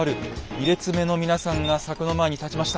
２列目の皆さんが柵の前に立ちました。